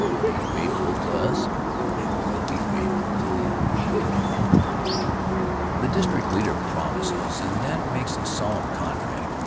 Be faithful to us, and we'll be faithful to you." The district leader promises and that makes a solemn contract.